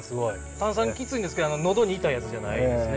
炭酸きついんですけど喉に痛いやつじゃないんですね。